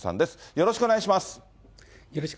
よろしくお願いします。